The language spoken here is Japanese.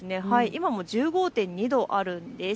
今も１５．２度あるんです。